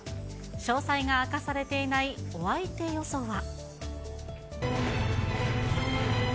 詳細が明かされていないお相手予想は。